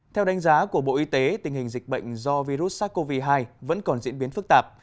theo đánh giá của bộ y tế tình hình dịch bệnh do virus sars cov hai vẫn còn diễn biến phức tạp